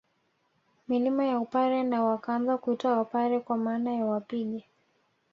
Milima ya Upare na wakaanza kuitwa Wapare kwa maana ya wapige